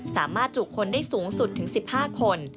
สามารถจุกคนได้สูงสุดถึง๑๕คน